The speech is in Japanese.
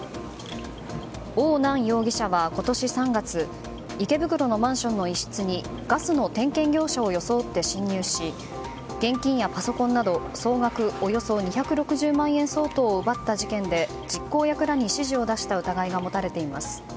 オウ・ナン容疑者は今年３月池袋のマンションの一室にガスの点検業者を装って侵入し現金やパソコンなど総額およそ２６０万円相当を奪った事件で実行役らに指示を出した疑いが持たれています。